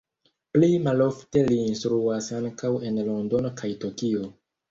Pli malofte li instruas ankaŭ en Londono kaj Tokio.